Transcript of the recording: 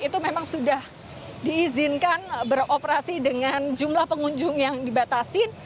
itu memang sudah diizinkan beroperasi dengan jumlah pengunjung yang dibatasin